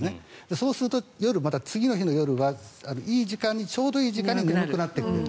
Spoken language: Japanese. そうすると、次の日の夜はちょうどいい時間に眠くなってくる。